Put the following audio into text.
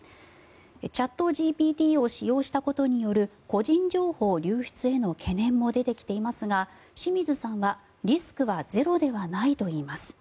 チャットＧＰＴを使用したことによる個人情報流出への懸念も出てきていますが清水さんはリスクはゼロではないといいます。